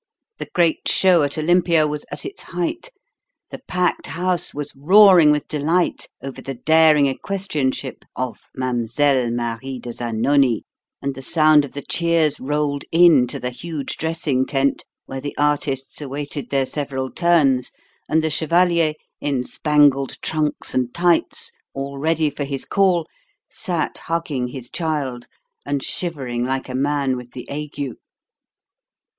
The great show at Olympia was at its height; the packed house was roaring with delight over the daring equestrianship of "Mlle. Marie de Zanoni," and the sound of the cheers rolled in to the huge dressing tent, where the artists awaited their several turns, and the chevalier, in spangled trunks and tights, all ready for his call, sat hugging his child and shivering like a man with the ague.